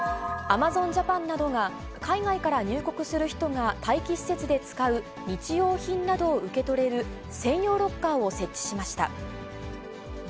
アマゾンジャパンなどが、海外から入国する人が待機施設で使う日用品などを受け取れる専用ロッカーを設置しました。